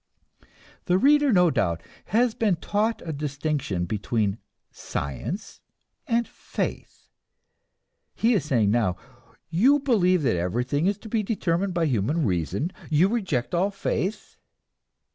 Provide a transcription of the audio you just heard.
The reader, no doubt, has been taught a distinction between "science" and "faith." He is saying now, "You believe that everything is to be determined by human reason? You reject all faith?"